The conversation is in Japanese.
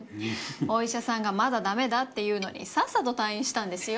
お医者さんがまだダメだって言うのにさっさと退院したんですよ。